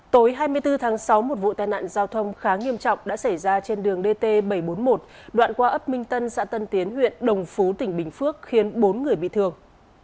tối hai mươi bốn tháng sáu một vụ tai nạn giao thông khá nghiêm trọng đã xảy ra trên đường dt bảy trăm bốn mươi một đoạn qua ấp minh tân xã tân tiến huyện đồng phú tỉnh bình phước khiến bốn người bị thương